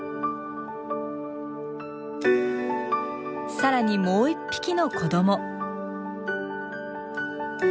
さらにもう一匹の子ども。